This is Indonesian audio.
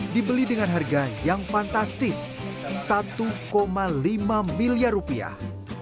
dibeli dengan harga yang fantastis satu lima miliar rupiah